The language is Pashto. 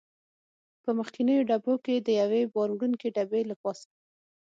په مخکنیو ډبو کې د یوې بار وړونکې ډبې له پاسه.